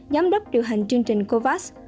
giám đốc điều hành chương trình covax